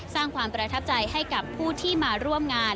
สร้างความประทับใจให้กับผู้ที่มาร่วมงาน